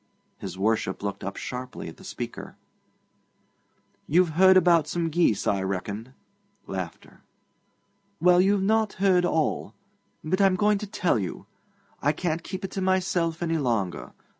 His Worship looked up sharply at the speaker. 'You've heard about some geese, I reckon. Well, you've not heard all, but I'm going to tell you. I can't keep it to myself any longer.